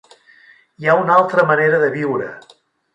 Hi ha una altra manera de viure.